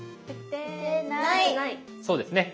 そうですね。